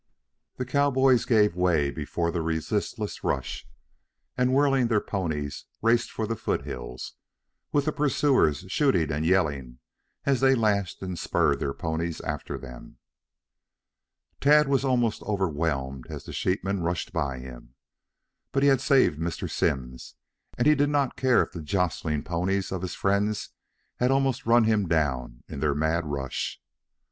The cowboys gave way before the resistless rush, and whirling their ponies, raced for the foothills, with the pursuers shooting and yelling as they lashed and spurred their ponies after them. Tad was almost overwhelmed as the sheepmen rushed by him. But he had saved Mr. Simms and he did not care if the jostling ponies of his friends had almost run him down in their mad rush.